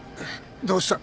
どうした？